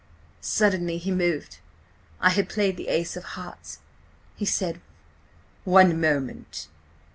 "Suddenly he moved. I had played the ace of hearts. He said: 'One moment!'